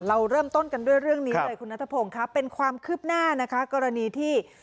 เราเริ่มต้นกันด้วยเรื่องนี้เลยคุณนัทพงศ์ค่ะเป็นความคืบหน้านะคะกรณีที่